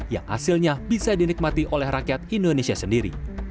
yang hasilnya bisa dinikmati oleh rakyat indonesia sendiri